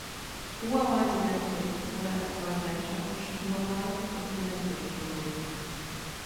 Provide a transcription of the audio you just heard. Huawei Symantec wurde als Joint Venture zwischen Huawei und Symantec gegründet.